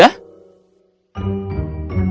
baiklah apa kau melihat pri juga